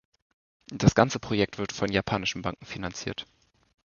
Das ganze Projekt wird von japanischen Banken finanziert.